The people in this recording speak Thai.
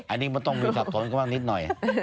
อันนี้มันต้องมีสับสนเข้ามานิดหน่อย